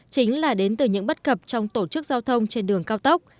chính là đến từ những bất cập trong tổ chức giao thông trên đường cao tốc